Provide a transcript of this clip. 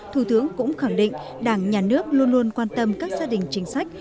thủ tướng cũng khẳng định đảng nhà nước luôn luôn quan tâm các gia đình chính sách